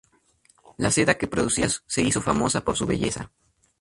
La seda que producían se hizo famosa por su belleza.